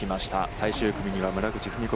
最終組には村口史子